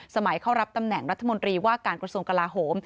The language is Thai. เข้ารับตำแหน่งรัฐมนตรีว่าการกระทรวงกลาโหม